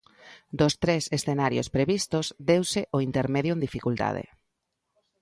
Dos tres escenarios previstos deuse o intermedio, en dificultade.